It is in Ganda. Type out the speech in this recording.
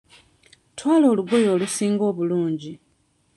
Twala olugoye olusinga obulungi.